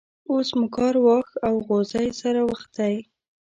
اوس مو کار واښ او غوزی سره وختی.